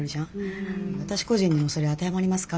私個人にもそれ当てはまりますか？